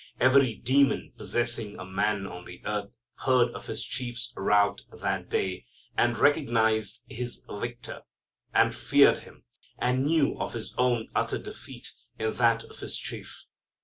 Every demon possessing a man on the earth heard of his chief's rout that day, and recognized his Victor, and feared Him, and knew of his own utter defeat in that of his chief.